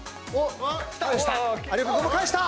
有岡君も返した。